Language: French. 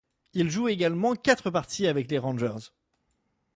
Il joue également quatre parties avec les Rangers.